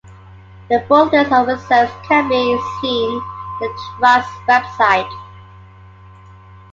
The full list of reserves can be seen at the Trust's Website.